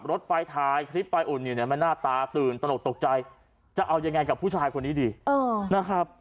ตกใจมากมันเกิดอะไรขึ้นไม่รู้จะโดนตัวไหนมาไปดูเลยครับ